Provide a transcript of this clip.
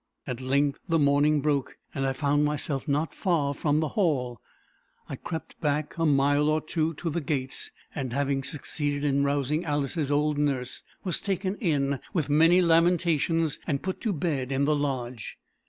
At length the morning broke, and I found myself not far from the Hall. I crept back, a mile or two, to the gates, and having succeeded in rousing Alice's old nurse, was taken in with many lamentations, and put to bed in the lodge.